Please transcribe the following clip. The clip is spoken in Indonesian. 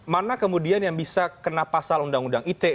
mana kemudian yang bisa kena pasal undang undang ite